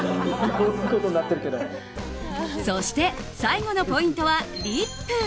そして最後のポイントはリップ。